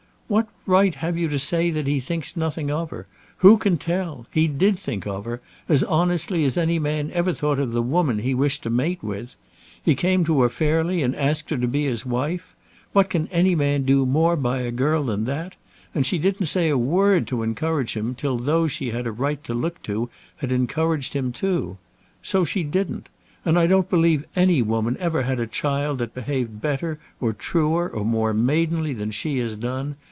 "What right have you to say that he thinks nothing of her? Who can tell? He did think of her, as honestly as any man ever thought of the woman he wished to mate with. He came to her fairly, and asked her to be his wife. What can any man do more by a girl than that? And she didn't say a word to him to encourage him till those she had a right to look to had encouraged him too. So she didn't. And I don't believe any woman ever had a child that behaved better, or truer, or more maidenly than she has done.